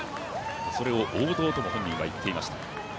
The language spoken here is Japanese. それを王道と本人が言っていました。